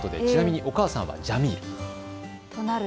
ちなみにお母さんはジャミールです。